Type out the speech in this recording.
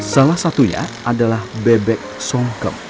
salah satunya adalah bebek songkem